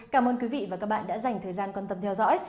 cảm ơn quý vị và các bạn đã dành thời gian quan tâm theo dõi